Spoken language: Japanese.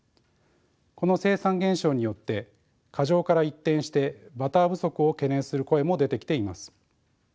この生産減少によって過剰から一転してバター不足を懸念する声も出てきています。